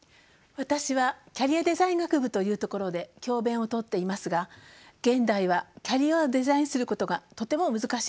私はキャリアデザイン学部というところで教べんを執っていますが現代はキャリアをデザインすることがとても難しい状況にあると感じています。